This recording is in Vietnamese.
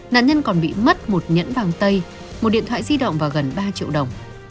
nạn nhân còn bị mất một nhẫn vàng tay một điện thoại di động vào gần ba triệu đồng